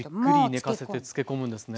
じっくり寝かせて漬け込むんですね。